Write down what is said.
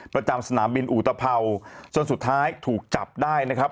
ประจำสนามบินอุตภัวจนสุดท้ายถูกจับได้นะครับ